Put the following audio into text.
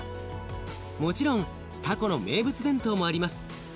もちろんたこの名物弁当もあります。